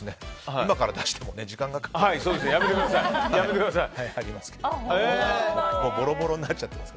今から出しても時間が。ありました。